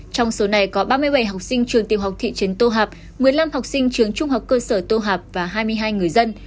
trong số này có ba mươi bảy học sinh trường tiểu học thị trấn tô hạp một mươi năm học sinh trường trung học cơ sở tô hạp và hai mươi hai người dân